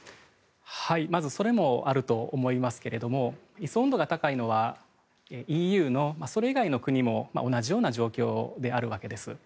まず、それもあると思いますけれども依存度が高いのはＥＵのそれ以外の国も同じような状況であるわけです。